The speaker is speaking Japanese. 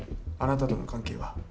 あなたとの関係は？